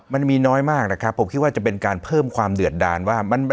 มันมีน้อยมากนะครับผมคิดว่าจะเป็นการเพิ่มความเดือดดานว่า